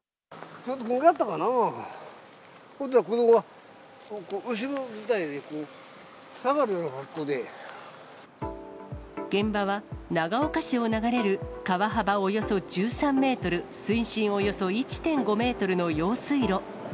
そうしたら子どもが、現場は、長岡市を流れる川幅およそ１３メートル、水深およそ１．５メートルの用水路。